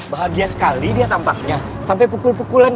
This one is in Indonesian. bahagia sekali dia tampaknya sampai pukul pukulan